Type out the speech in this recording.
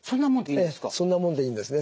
ええそんなもんでいいんですね。